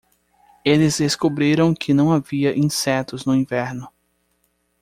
Eles descobriram que não havia insetos no inverno.